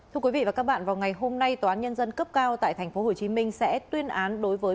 thưa quý vị và các bạn vào ngày hôm nay tòa án nhân dân cấp cao tại tp hcm sẽ tuyên án đối với